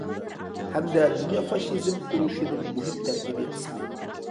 ھەمدە دۇنيا فاشىزم ئۇرۇشىنىڭ مۇھىم تەركىبى قىسمى.